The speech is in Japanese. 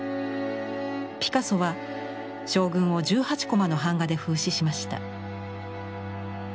ピカソは将軍を１８コマの版画で風刺しました。